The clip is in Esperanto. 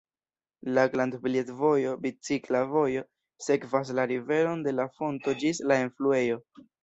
La Glan-Blies-vojo, bicikla vojo, sekvas la riveron de la fonto ĝis la enfluejo.